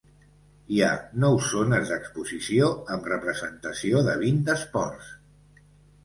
Hi ha nou zones d'exposició amb representació de vint esports.